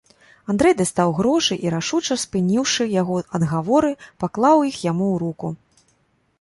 Андрэй дастаў грошы і, рашуча спыніўшы яго адгаворы, паклаў іх яму ў руку.